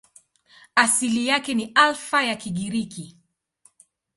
Asili yake ni Alfa ya Kigiriki.